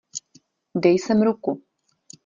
Dej sem ruku.